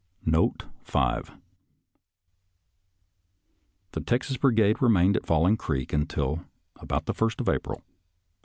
*»• Note 5 — ^The Texas Brigade remained at Falling Creek until about the 1st of April.